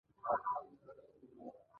او د غوایانو او پسونو ځیګر